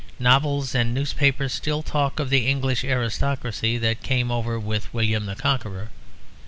Novels and newspapers still talk of the English aristocracy that came over with William the Conqueror.